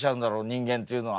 人間っていうのは。